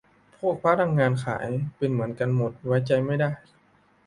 พวกพนักงานขายเป็นเหมือนกันหมด ไว้ใจไม่ได้